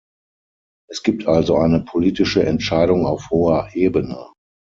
Es gibt also eine politische Entscheidung auf hoher Ebene.